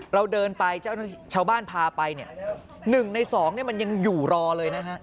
เราเดินไปชาวบ้านพาไปเนี่ย๑ใน๒มันยังอยู่รอเลยนะฮะ